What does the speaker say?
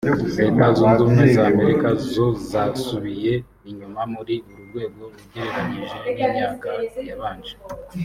Leta Zunze Ubumwe za Amerika zo zasubiye inyuma muri uru rwego ugereranyije n’imyaka yabanje